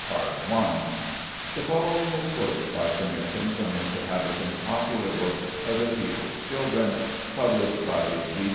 [The following is quoted, by permission, from Mr. Habberton's popular book, "OTHER PEOPLE'S CHILDREN," published by G.